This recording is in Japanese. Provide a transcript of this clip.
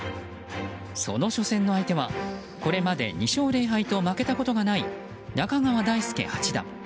その初戦の相手はこれまで２勝０敗と負けたことがない中川大輔八段。